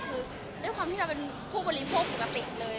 คือด้วยความที่เราเป็นผู้บริโภคปกติเลย